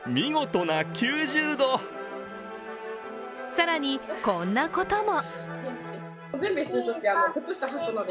更に、こんなことも。